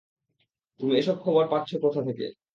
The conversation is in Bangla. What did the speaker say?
তুমি এসব খবর পাচ্ছ কোথা থেকে?